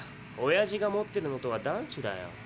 おやじが持ってるのとは段チだよ。